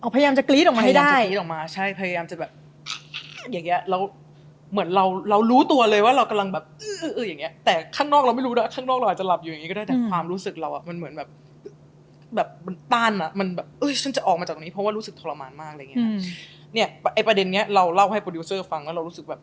พยายามจะกรี๊ดออกมาให้ได้